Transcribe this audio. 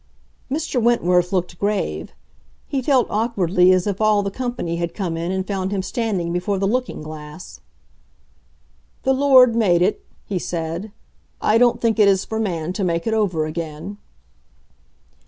Mr. Wentworth looked grave; he felt awkwardly, as if all the company had come in and found him standing before the looking glass. "The Lord made it," he said. "I don't think it is for man to make it over again."